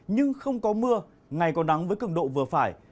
nhưng không có mưa ngày còn nắng với cứng độ vừa phải